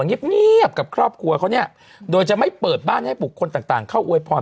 เงียบเงียบกับครอบครัวเขาเนี่ยโดยจะไม่เปิดบ้านให้บุคคลต่างต่างเข้าอวยพร